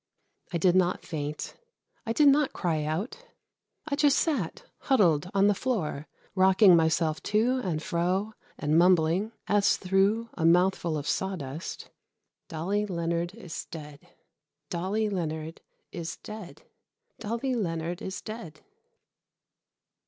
I did not faint, I did not cry out. I just sat huddled on the floor rocking myself to and fro, and mumbling, as through a mouthful of sawdust: "Dolly Leonard is dead. Dolly Leonard is dead. Dolly Leonard is dead."